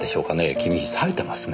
君冴えてますね。